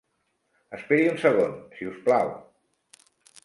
Esperi un segon, si us plau.